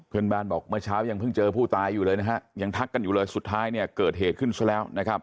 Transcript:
บ้านบอกเมื่อเช้ายังเพิ่งเจอผู้ตายอยู่เลยนะฮะยังทักกันอยู่เลยสุดท้ายเนี่ยเกิดเหตุขึ้นซะแล้วนะครับ